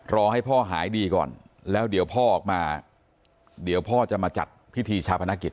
รอให้พ่อหายดีก่อนแล้วเดี๋ยวพ่อออกมาเดี๋ยวพ่อจะมาจัดพิธีชาพนักกิจ